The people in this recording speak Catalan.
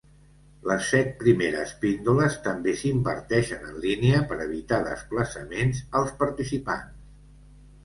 Les set primeres píndoles també s'imparteixen en línia per evitar desplaçaments als participants.